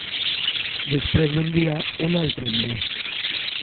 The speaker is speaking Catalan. Després d'un dia, un altre en ve.